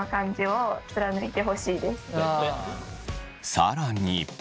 更に。